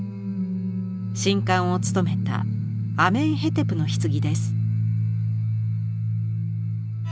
神官を務めたアメンヘテプの棺です。